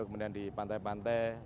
kemudian di pantai pantai